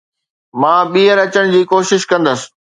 مان ٻيهر اچڻ جي ڪوشش ڪندس.